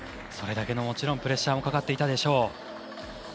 それだけのプレッシャーがかかっていたでしょう。